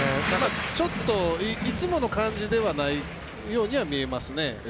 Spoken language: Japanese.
ちょっといつもの感じではないように見えますね。